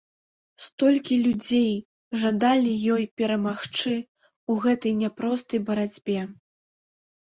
Столькі людзей жадалі ёй перамагчы ў гэтай няпростай барацьбе.